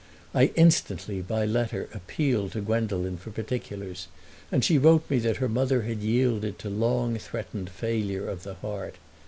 I instantly, by letter, appealed to Gwendolen for particulars, and she wrote me that her mother had yielded to long threatened failure of the heart.